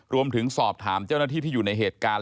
รวมถึงสอบถามเจ้าหน้าที่ที่อยู่ในเหตุการณ์